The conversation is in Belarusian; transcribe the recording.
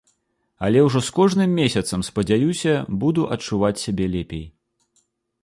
Але ўжо з кожным месяцам, спадзяюся, буду адчуваць сябе лепей.